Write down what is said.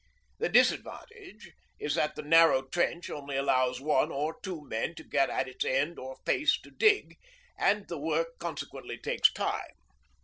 The disadvantage is that the narrow trench only allows one or two men to get at its end or 'face' to dig, and the work consequently takes time.